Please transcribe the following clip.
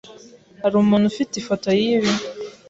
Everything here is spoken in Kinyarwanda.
Hari umuntu ufite ifoto yibi?